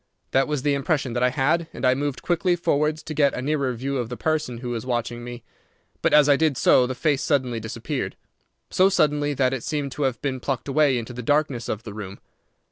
That was the impression that I had, and I moved quickly forwards to get a nearer view of the person who was watching me. But as I did so the face suddenly disappeared, so suddenly that it seemed to have been plucked away into the darkness of the room.